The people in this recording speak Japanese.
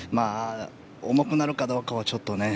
重くなるかどうかはちょっとね